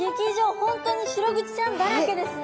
本当にシログチちゃんだらけですね。